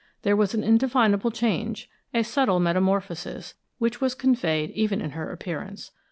There was an indefinable change, a subtle metamorphosis, which was conveyed even in her appearance.